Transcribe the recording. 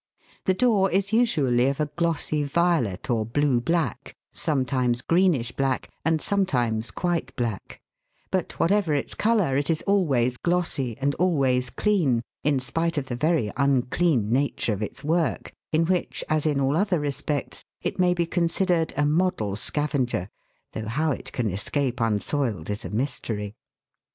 The Dor is usually of a glossy violet or blue black, sometimes greenish black, and sometimes quite black ; but, whatever its colour, it is always glossy, and always clean, in spite of the very unclean nature of its work, in which, as in all other respects, it may be con sidered a model scavenger, though how it can escape unsoiled is a mystery.